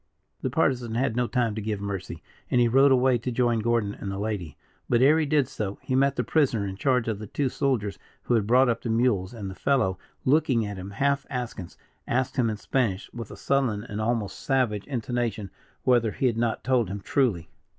The Partisan had no time to give mercy, and he rode away to join Gordon and the lady; but, ere he did so, he met the prisoner in charge of the two soldiers who had brought up the mules, and the fellow, looking at him half askance, asked him in Spanish, with a sullen and almost savage intonation, whether he had not told him truly.